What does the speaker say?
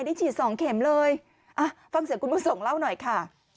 ได้ฉีดสองเข็มเลยอ่ะฟังเสียงคุณบุญส่งเล่าหน่อยค่ะ